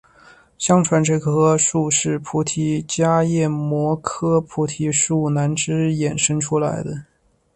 相传这棵树是菩提伽耶摩诃菩提树南枝衍生出来的。